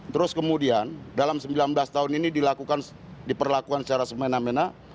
terus kemudian dalam sembilan belas tahun ini diperlakukan secara semena mena